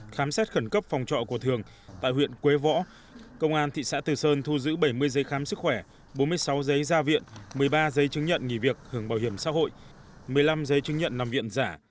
khám xét khẩn cấp phòng trọ của thường tại huyện quế võ công an thị xã từ sơn thu giữ bảy mươi giấy khám sức khỏe bốn mươi sáu giấy gia viện một mươi ba giấy chứng nhận nghỉ việc hưởng bảo hiểm xã hội một mươi năm giấy chứng nhận nằm viện giả